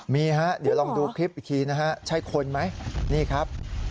มีฮะเดี๋ยวลองดูคลิปอีกทีนะฮะใช่คนไหมนี่ครับ